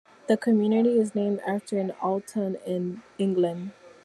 The community is named after an Alton in England.